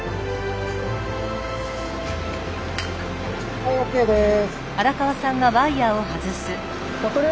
はいＯＫです。